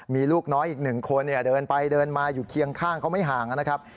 มีลูกน้อยอีกหนึ่งคนเดินไปเดินมาอยู่เคียงข้างเขาไม่ห่างนะครับ